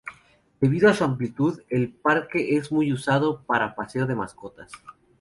Debido a su amplitud, el parque es muy usado para paseo de mascotas.